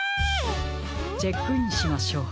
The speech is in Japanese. チェックインしましょう。